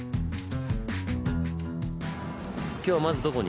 今日はまずどこに？